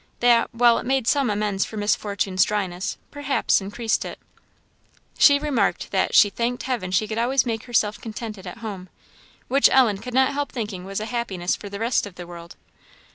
That, while it made some amends for Miss Fortune's dryness, perhaps increased it. She remarked, that "she thanked Heaven she could always make herself contented at home;" which Ellen could not help thinking was a happiness for the rest of the world.